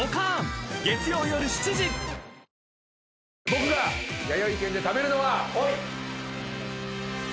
僕がやよい軒で食べるのは。